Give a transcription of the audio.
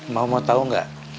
mau mau tau gak